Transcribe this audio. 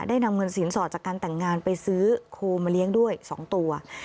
นำเงินสินสอดจากการแต่งงานไปซื้อโคมาเลี้ยงด้วย๒ตัว